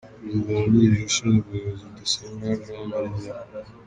Perezida wungirije ushinzwe ubuyobozi: Rudasingwa Jean Marie Vianney.